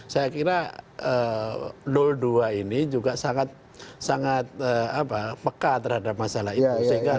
saya kira dua ini juga sangat peka terhadap masalah itu